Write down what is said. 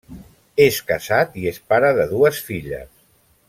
És casat i és pare de dues filles.